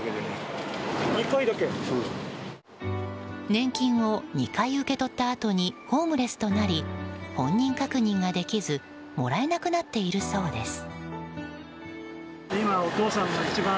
年金を２回受け取ったあとにホームレスとなり本人確認ができずもらえなくなっているそうです。